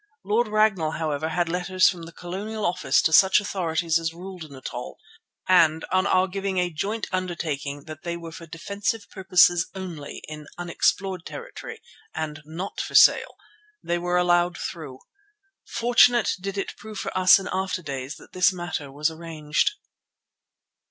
Lord Ragnall however had letters from the Colonial Office to such authorities as ruled in Natal, and on our giving a joint undertaking that they were for defensive purposes only in unexplored territory and not for sale, they were allowed through. Fortunate did it prove for us in after days that this matter was arranged.